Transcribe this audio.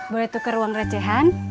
boleh tukar ruang recehan